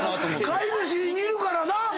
飼い主に似るからな。